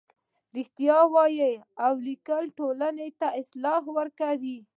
رښتیا ویل او لیکل ټولنه اصلاح کوي.